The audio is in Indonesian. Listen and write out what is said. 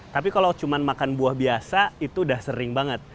tapi kalau cuma makan buah biasa itu udah sering banget